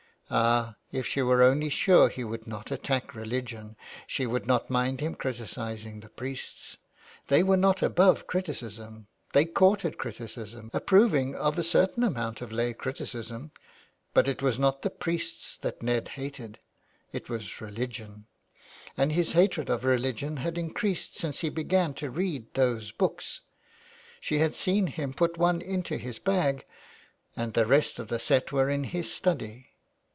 Ah, if she were only sure he would not attack religion she would not mind him criticising the priests. They were not above criticism ; they courted criticism, approving of a certain amount of lay criticism. But it was not the priests that Ned hated, it was religion ; and his hatred of religion had increased since he began to read those books — she had seen him put one into his bag, and the rest of the set were in his study.